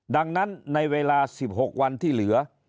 ดังนั้นในเวลา๑๖วันที่เหลือ